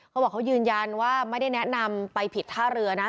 เขาบอกเขายืนยันว่าไม่ได้แนะนำไปผิดท่าเรือนะ